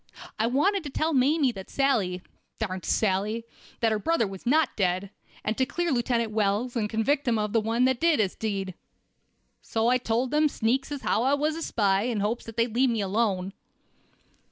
I wanted to tell Mamie that Sally—darn Sally—that her brother was not dead, and to clear Lieutenant Wells and convict the one as did the deed. So I told them sneaks as how I was a spy, in hopes they'd let me alone."